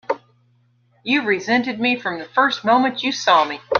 You've resented me from the first moment you saw me!